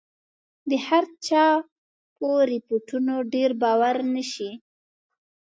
د هرچا په رپوټونو ډېر باور نه شي.